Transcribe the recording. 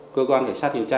cơ quan cảnh sát điều tra